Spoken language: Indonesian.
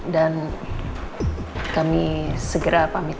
dan kami segera pamitkan